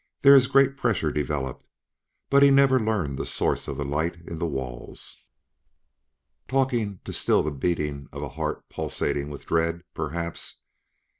There is great pressure developed ... but he never learned the source of the light in the walls." Talking to still the beating of a heart pulsing with dread, perhaps!